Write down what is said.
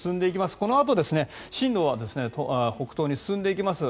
このあと進路は北東に進んでいきます。